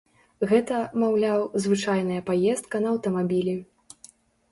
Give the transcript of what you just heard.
Гэта, маўляў, звычайная паездка на аўтамабілі.